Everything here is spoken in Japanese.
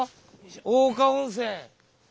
大岡温泉。